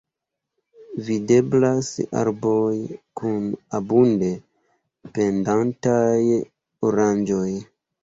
Videblas arboj kun abunde pendantaj oranĝoj.